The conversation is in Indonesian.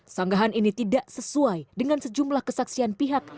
sanggahan ini tidak sesuai dengan sejumlah kesaksian pihak